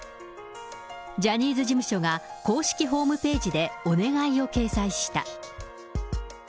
ジャニーズ事務所が公式ホームページでお願いを掲載した。